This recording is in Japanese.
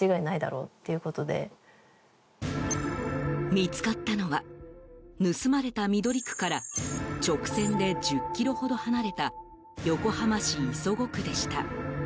見つかったのは盗まれた緑区から直線で１０ｋｍほど離れた横浜市磯子区でした。